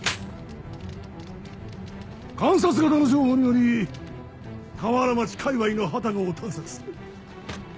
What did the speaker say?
監察方の情報により河原町界隈の旅籠を探索する。